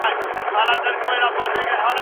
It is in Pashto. او مينه ورکوونکي مور په بڼه ده